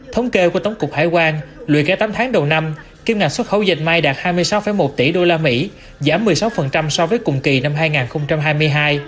thống kê của tổng cục hải quan lùi cả tám tháng đầu năm kiếm ngành xuất khẩu dệt may đạt hai mươi sáu một tỷ usd giảm một mươi sáu so với cùng kỳ năm hai nghìn hai mươi hai